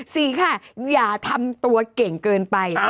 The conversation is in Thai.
สี่ค่ะอย่าทำตัวเก่งเกินไป